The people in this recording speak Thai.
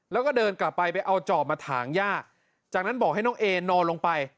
แล้วก็เดินกลับไปไปเอาจอบมาถางย่าจากนั้นบอกให้น้องเอนอนลงไป